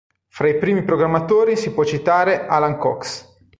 Fra i primi programmatori si può citare Alan Cox.